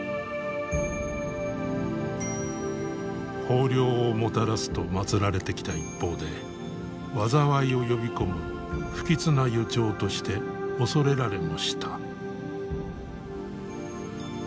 豊漁をもたらすとまつられてきた一方で災いを呼び込む不吉な予兆として恐れられもした。